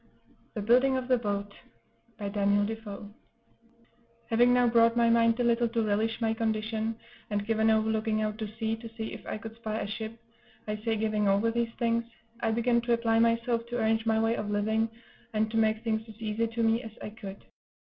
THE BUILDING OF THE BOAT By Daniel Defoe Having now brought my mind a little to relish my condition, and given over looking out to sea, to see if I could spy a ship I say, giving over these things, I began to apply myself to arrange my way of living, and to make things as easy to me as I could.